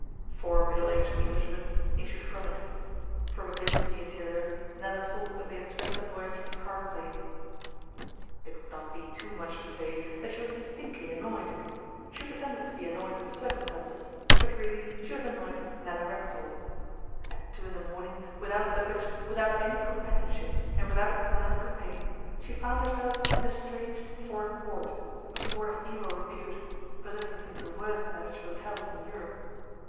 Four middle aged Englishmen issued from it. From a glimpse of the interior Nella saw that they had spent the voyage in card playing. It would not be too much to say that she was distinctly annoyed. She pretended to be annoyed with circumstances, but really she was annoyed with Nella Racksole. At two in the morning, without luggage, without any companionship, and without a plan of campaign, she found herself in a strange foreign port a port of evil repute, possessing some of the worst managed hotels in Europe.